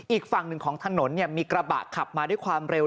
อีกฝั่งหนึ่งของถนนมีกระบะขับมาด้วยความเร็ว